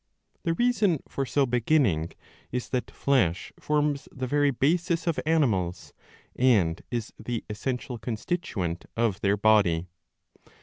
The reason for so beginning is that flesh forms the very basis of animals, and is the essential constituent of their body.